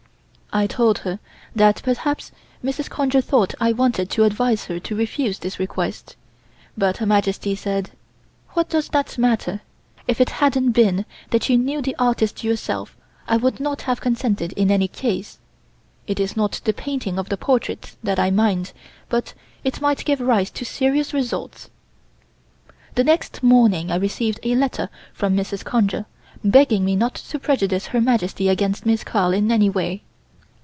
I told her that perhaps Mrs. Conger thought I wanted to advise her to refuse this request, but Her Majesty said: "What does that matter? If it hadn't been that you know the artist yourself I would not have consented in any case. It is not the painting of the portrait that I mind, but it might give rise to serious results." The next morning I received a letter from Mrs. Conger begging me not to prejudice Her Majesty against Miss Carl in any way.